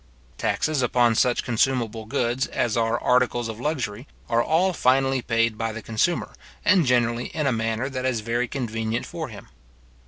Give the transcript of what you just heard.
Taxes upon such consumable goods as are articles of luxury, are all finally paid by the consumer, and generally in a manner that is very convenient for him.